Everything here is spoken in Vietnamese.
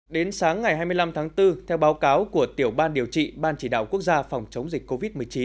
đến sáng ngày hai mươi năm tháng bốn theo báo cáo của tiểu ban điều trị ban chỉ đạo quốc gia phòng chống dịch covid một mươi chín